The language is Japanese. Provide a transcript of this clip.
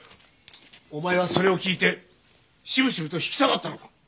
お前はそれを聞いてしおしおと引き下がったのか。